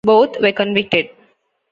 Both were convicted.